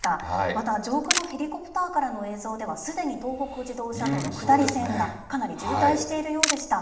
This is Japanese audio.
また、上空のヘリコプターからの映像では、すでに東北自動車道の下り線がかなり渋滞しているようでした。